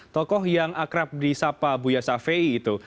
tokoh yang akrab di sapa buya syafi'i itu